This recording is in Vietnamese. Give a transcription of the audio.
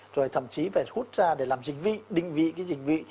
rồi thậm chí phải hút ra để làm dịch vị định vị cái dịch vị